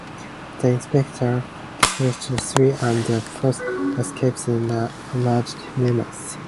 The inspector dispatches three, and the fourth escapes in an armored limousine.